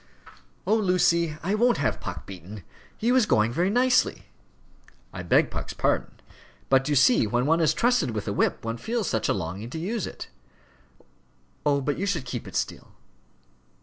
"Oh, Lucy, I won't have Puck beaten. He was going very nicely." "I beg Puck's pardon. But you see when one is trusted with a whip one feels such a longing to use it." "Oh, but you should keep it still.